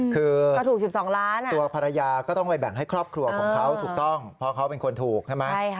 คือก็ถูก๑๒ล้านตัวภรรยาก็ต้องไปแบ่งให้ครอบครัวของเขาถูกต้องเพราะเขาเป็นคนถูกใช่ไหม